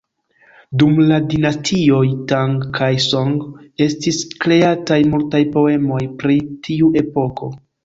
Dum la Dinastioj Tang kaj Song, estis kreataj multaj poemoj pri tiu epoko.